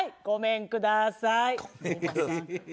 ごめんください。